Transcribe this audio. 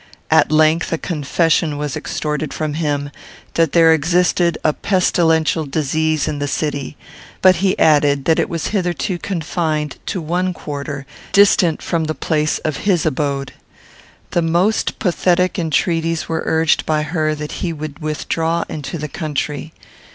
At length, a confession was extorted from him that there existed a pestilential disease in the city; but he added that it was hitherto confined to one quarter, distant from the place of his abode. The most pathetic entreaties were urged by her that he would withdraw into the country.